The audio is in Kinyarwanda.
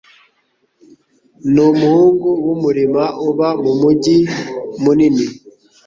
numuhungu wumurima uba mumujyi munini.